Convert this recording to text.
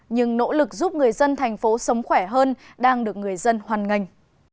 nhưng nỗ lực giúp người dân thành phố sống khỏe hơn đang được người dân hoàn ngành